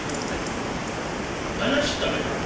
「話したらやる」。